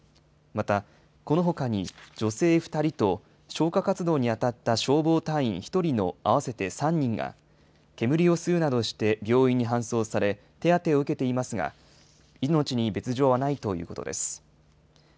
また、このほかに女性２人と消火活動に当たった消防隊員１人の合わせて３人が、煙を吸うなどして病院に搬送され、手当てを受けていますが、命に別状はないということです。